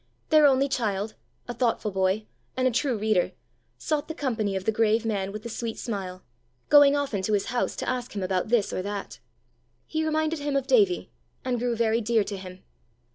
Their only child, a thoughtful boy, and a true reader, sought the company of the grave man with the sweet smile, going often to his house to ask him about this or that. He reminded him of Davie, and grew very dear to him.